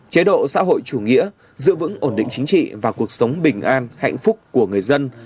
chế độ xã hội chủ nghĩa giữ vững ổn định chính trị và cuộc sống bình an hạnh phúc của người dân